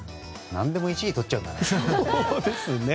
何でも１位とっちゃうんだね。